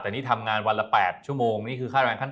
แต่นี่ทำงานวันละ๘ชั่วโมงนี่คือค่าแรงขั้น